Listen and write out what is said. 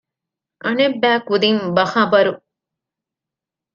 އަނެއްބައިކުދިން ބަޚަބަރު